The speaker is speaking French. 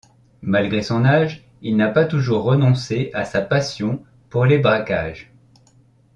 Malgré son âge, il n'a toujours pas renoncé à sa passion pour les braquages.